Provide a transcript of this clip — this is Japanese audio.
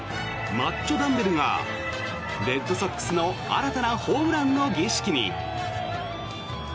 マッチョダンベルがレッドソックスの新たなホームランの儀式に。